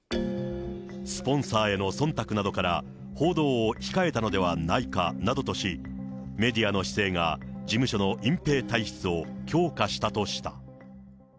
スポンサーへのそんたくなどから、報道を控えたのではないかなどとし、メディアの姿勢が事務所の隠蔽体質を強化したとした。